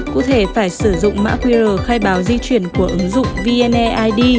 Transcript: cụ thể phải sử dụng mã qr khai báo di chuyển của ứng dụng vneid